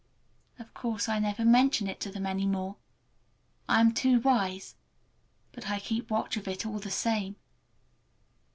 Of course I never mention it to them any more,—I am too wise,—but I keep watch of it all the same.